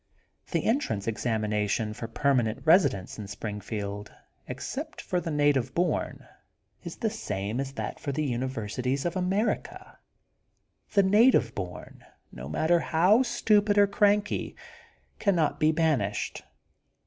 The entrance examination for perma nent ^residence in Springfield^ except for the THE GOLDEN BOOK OF SPRINGFIELD 95 native bom^ is the same as that for the Uni versities of America. The native bom, no matter how stnpid or cranky, cannot be ban ished.